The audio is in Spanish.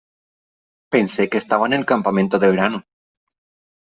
Pensé que estaba en el campamento de verano .